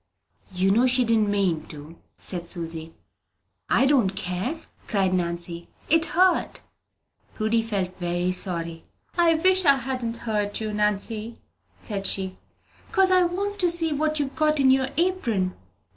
"You know she didn't mean to," said Susy. "I don't care," cried Nancy, "it hurt!" Prudy felt very sorry. "I wish I hadn't hurt you, Nanny," said she, "'cause I want to see what you've got in your apron."